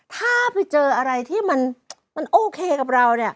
ถ้าไปเจออะไรที่มันโอเคกับเรา